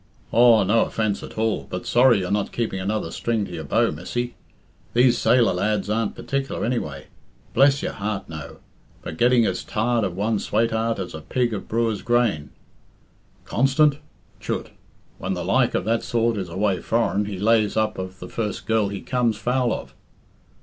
"Aw, no offence at all. But sorry you're not keeping another string to your bow, missy. These sailor lads aren't partic'lar, anyway. Bless your heart, no; but getting as tired of one swateheart as a pig of brewer's grain. Constant? Chut! When the like of that sort is away foreign, he lays up of the first girl he comes foul of."